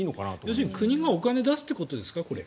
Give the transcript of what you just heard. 要するに国がお金を出すということですか？